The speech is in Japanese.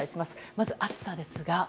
まず暑さですが。